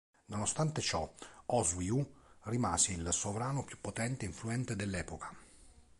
Nonostante ciò, Oswiu rimase il sovrano più potente e influente dell'epoca.